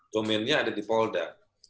domainnya ada di polda